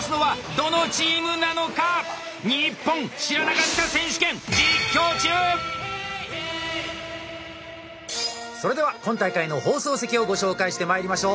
どのチームなのか⁉それでは今大会の放送席をご紹介してまいりましょう。